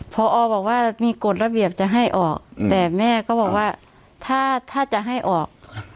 พอบอกว่ามีกฎระเบียบจะให้ออกแต่แม่ก็บอกว่าถ้าจะให้ออก